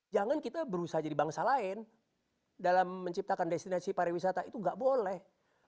jangan kita berusaha jadi bangsa lain dalam menciptakan destinasi pariwisata itu gak boleh